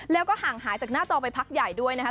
แล้วก็ห่างหายจากหน้าจอไปพักใหญ่ด้วยนะคะ